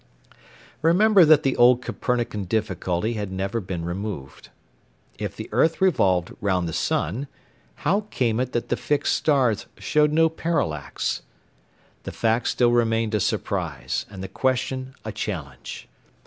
Remember that the old Copernican difficulty had never been removed. If the earth revolved round the sun, how came it that the fixed stars showed no parallax? The fact still remained a surprise, and the question a challenge.